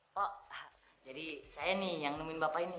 pak jadi saya nih yang nemuin bapak ini